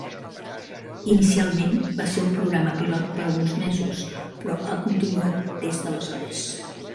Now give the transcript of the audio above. Inicialment, va ser un programa pilot per a uns mesos, però ha continuat des d'aleshores.